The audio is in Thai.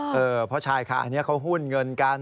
เพราะชายค่ะอันนี้เขาหุ้นเงินกัน